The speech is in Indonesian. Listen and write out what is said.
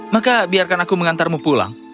maka biarkan aku mengantarmu pulang